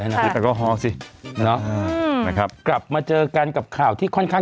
อักษรศุกร์สิเนอะอืมนะครับกลับมาเจอกันกับข่าวที่ค่อนข้าง